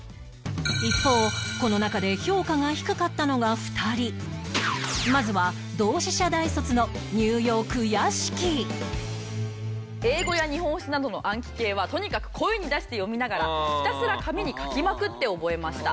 一方この中でまずは「英語や日本史などの暗記系はとにかく声に出して読みながらひたすら紙に書きまくって覚えました」。